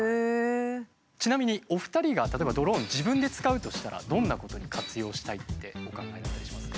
ちなみにお二人が例えばドローン自分で使うとしたらどんなことに活用したいってお考えになったりしますか？